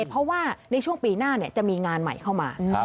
เพราะว่าในช่วงปีหน้าจะมีงานใหม่เข้ามา